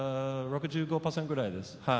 ６５％ぐらいです。